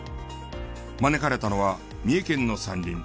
招かれたのは三重県の山林。